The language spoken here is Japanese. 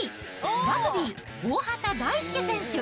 ラグビー、大畑大介選手。